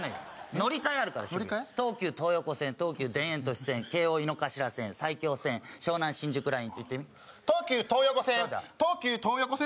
乗り換えあるから渋谷東急東横線東急田園都市線京王井の頭線埼京線湘南新宿ライン言ってみ東急東横線東急東横線？